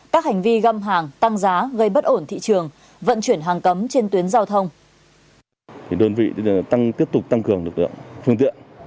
các hành vi găm hàng tăng giá gây bất ổn thị trường vận chuyển hàng cấm trên tuyến giao thông